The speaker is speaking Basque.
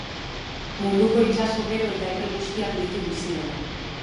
Munduko itsaso bero eta epel guztiak ditu bizileku.